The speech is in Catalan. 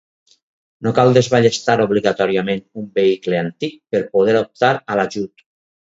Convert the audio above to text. No cal desballestar obligatòriament un vehicle antic per poder optar a l'ajut.